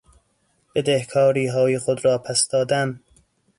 بدهکاریهای خود را پس دادن